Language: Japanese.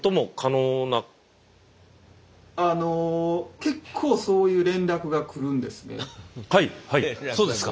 あの結構そういう連絡が来るんですね。